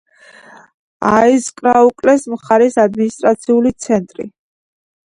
აიზკრაუკლეს მხარის ადმინისტრაციული ცენტრი.